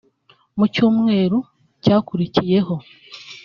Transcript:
Mu cyumweru cyakurikiyeho